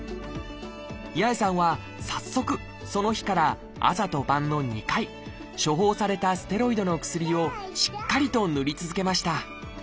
八重さんは早速その日から朝と晩の２回処方されたステロイドの薬をしっかりと塗り続けました。